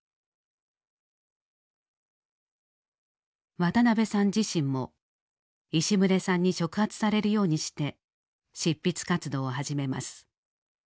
渡辺さん自身も石牟礼さんに触発されるようにして執筆活動を始めます。